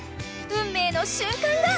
［運命の瞬間が！］